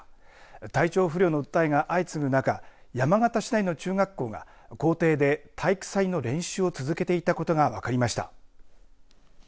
体調不良の訴えが相次ぐ中山形市内の中学校が校庭で体育祭の練習を続けていたことが分かりました。